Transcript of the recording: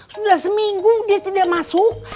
sudah seminggu dia tidak masuk